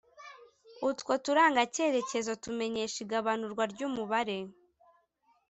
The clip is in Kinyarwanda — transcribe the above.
Utwo turangacyerekezo tumenyesha igabanurwa ry'umubare